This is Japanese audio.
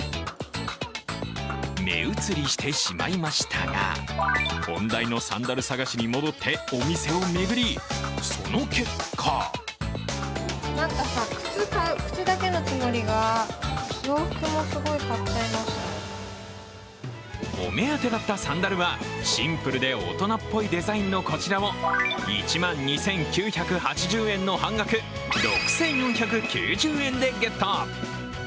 目移りしてしまいましたが本題のサンダル探しに戻ってお店を巡り、その結果お目当てだったサンダルはシンプルで大人っぽいデザインのこちらを１万２９８０円の半額、６４９０円でゲット。